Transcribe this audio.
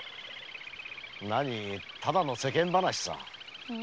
なにただの世間話さ。